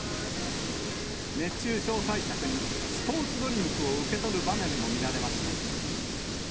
熱中症対策に、スポーツドリンクを受け取る場面も見られました。